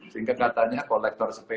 sehingga katanya kolektor sepeda